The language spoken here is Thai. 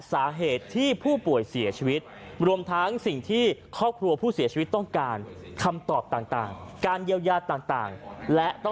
สาเหตุเกิดจากลำไส้ขาดเลือด